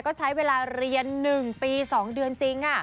ก็ใช้เวลาเรียน๑ปี๒เดือนจริง